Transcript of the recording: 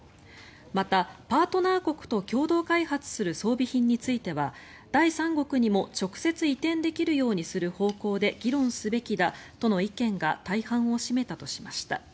また、パートナー国と共同開発する装備品については第三国にも直接移転できるようにする方向で議論すべきだとの意見が大半を占めたとしました。